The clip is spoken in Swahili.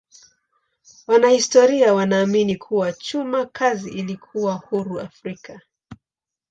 Wanahistoria wanaamini kuwa chuma kazi ilikuwa huru Afrika.